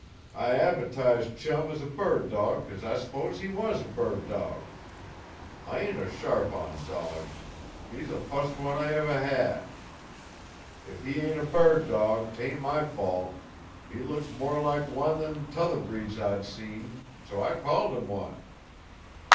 I adv'tised Chum as a bird dawg because I s'posed he WAS a bird dawg. I ain't a sharp on dawgs. He's the fust one ever I had. If he ain't a bird dawg, 'tain't my fault. He looks more like one than like 'tother breeds I'd seen. So I called him one."